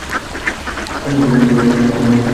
যোগারূঢ় হইয়া আমাদের কর্ম করিতে হইবে।